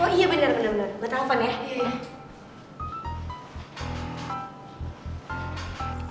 oh iya bener bener bener gua telepon ya